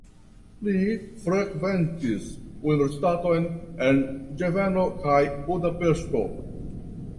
Li frekventis universitaton en Ĝenevo kaj Budapeŝto.